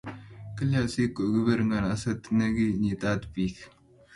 Kalya si koguber nganaseet ne ki nyiitaat piik?